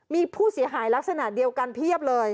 มีผู้เสียหายลักษณะเดียวกันเพียบเลย